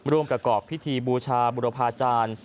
ประกอบพิธีบูชาบุรพาจารย์